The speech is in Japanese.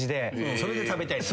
それで食べたいのね。